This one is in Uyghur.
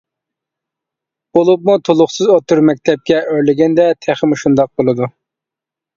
بولۇپمۇ تولۇقسىز ئوتتۇرا مەكتەپكە ئۆرلىگەندە تېخىمۇ شۇنداق بولدى.